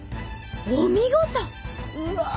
お見事！